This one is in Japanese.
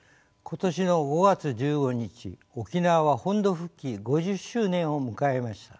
今年の５月１５日沖縄は本土復帰５０周年を迎えました。